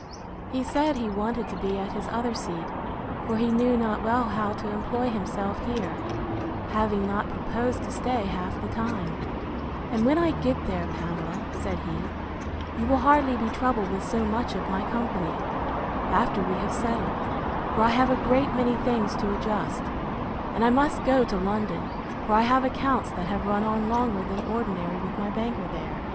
He said he wanted to be at his other seat, for he knew not well how to employ himself here, having not proposed to stay half the time: And when I get there, Pamela, said he, you will hardly be troubled with so much of my company, after we have settled; for I have a great many things to adjust: And I must go to London; for I have accounts that have run on longer than ordinary with my banker there.